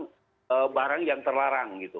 menggunakan barang yang terlarang gitu